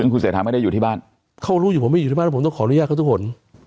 คุณเศรษฐาไม่ได้อยู่ที่บ้านเขารู้อยู่ผมไม่อยู่ที่บ้านแล้วผมต้องขออนุญาตเขาทุกคน